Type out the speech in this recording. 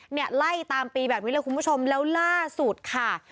เนี่ยไล่ตามปีแบบนี้เลยคุณผู้ชมแล้วล่าสุดค่ะ